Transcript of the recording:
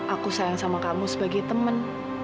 aku sayang sama kamu sebagai teman